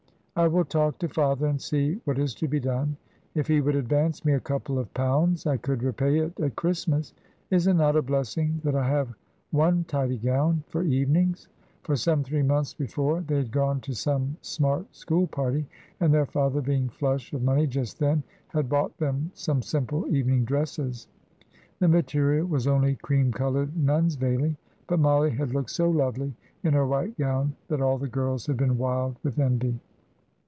I will talk to father and see what is to be done. If he would advance me a couple of pounds I could repay it at Christmas. Is it not a blessing that I have one tidy gown for evenings?" for some three months before they had gone to some smart school party, and their father, being flush of money just then, had bought them some simple evening dresses. The material was only cream coloured nun's veiling, but Mollie had looked so lovely in her white gown that all the girls had been wild with envy.